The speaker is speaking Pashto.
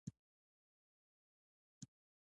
موږ باید د ډاکترانو صحي لارښوونې په پوره ډول عملي کړو.